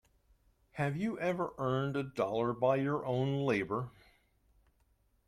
Have you ever earned a dollar by your own labour.